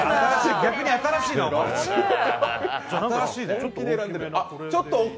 逆に新しいな、お前。